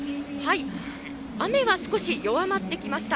雨は少し弱まってきました。